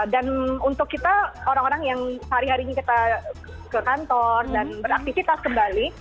dan untuk kita orang orang yang hari hari kita ke kantor dan beraktifitas kembali